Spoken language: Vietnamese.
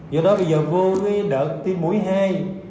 do đó bây giờ vô đợt tiêm mũi hai